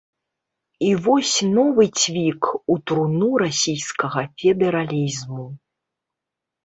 І вось новы цвік у труну расійскага федэралізму.